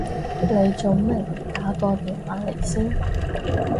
你做咩唔打個電話嚟先？